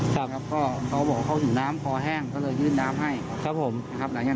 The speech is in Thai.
แม่ค้าขายของตลาดนัด